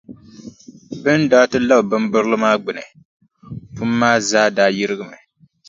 Bɛ ni daa ti labi bimbirili maa gbuni, pum maa zaa daa yirigimi.